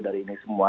dari ini semua